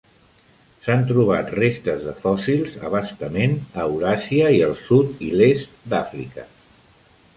S'han trobat restes de fòssils a bastament a Euràsia i al sud i l'est d'Àfrica.